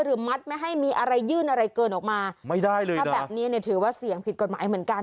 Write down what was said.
มัดไม่ให้มีอะไรยื่นอะไรเกินออกมาไม่ได้เลยถ้าแบบนี้เนี่ยถือว่าเสี่ยงผิดกฎหมายเหมือนกัน